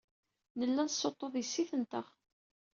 Nella nessuṭṭuḍ yessi-tenteɣ.